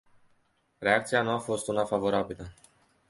Reacția nu a fost una favorabilă.